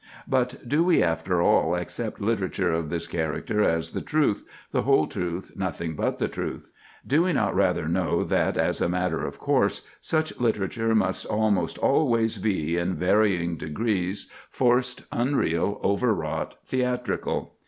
But do we, after all, accept literature of this character as the truth, the whole truth, nothing but the truth? Do we not rather know that, as a matter of course, such literature must almost always be, in varying degrees, forced, unreal, overwrought, theatrical?